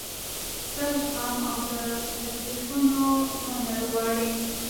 ستر زغم او د تکلیفونو منل غواړي.